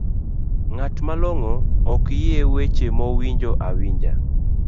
ng'at malongo ok yie weche moowinjo awinja